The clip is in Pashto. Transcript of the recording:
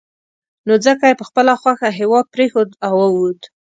نو ځکه یې په خپله خوښه هېواد پرېښود او ووت.